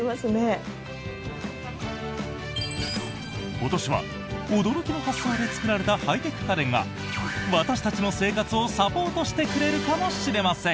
今年は驚きの発想で作られたハイテク家電が私たちの生活をサポートしてくれるかもしれません。